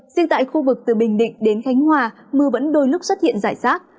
riêng tại khu vực từ bình định đến khánh hòa mưa vẫn đôi lúc xuất hiện giải sát